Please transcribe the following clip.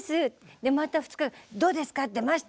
でまた２日「どうですか？出ました？」